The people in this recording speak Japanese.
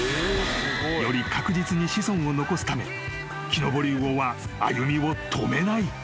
［より確実に子孫を残すためキノボリウオは歩みを止めない］